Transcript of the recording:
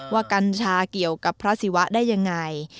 กัญชาเกี่ยวกับพระศิวะได้ยังไง